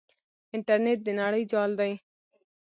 انټرنیټ د نړۍ جال دی.